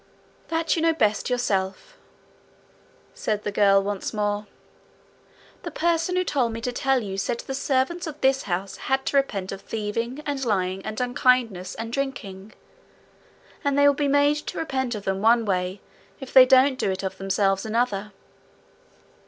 'That you know best yourself,' said the girl once more. 'The person who told me to tell you said the servants of this house had to repent of thieving, and lying, and unkindness, and drinking; and they will be made to repent of them one way, if they don't do it of themselves another.'